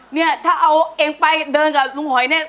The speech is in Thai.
เนี่ยถ้าเอาเองไปเดินกับลุงหอยเนี่ย